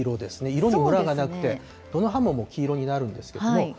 色もむらがなくて、この葉も黄色になるんですけれども。